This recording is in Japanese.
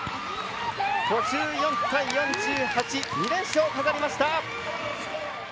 ５４対４８２連勝を飾りました！